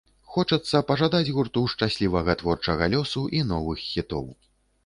Хочацца пажадаць гурту шчаслівага творчага лёсу і новых хітоў.